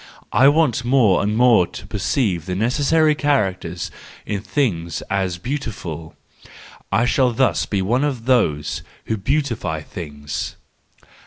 I want more and more to perceive the necessary characters in things as the beautiful: — I shall thus be one of those who beautify things.